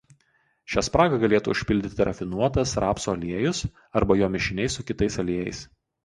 Šią spragą galėtų užpildyti rafinuotas rapsų aliejus arba jo mišiniai su kitais aliejais.